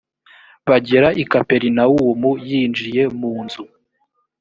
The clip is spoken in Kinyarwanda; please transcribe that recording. bagera i kaperinawumu yinjiye mu nzu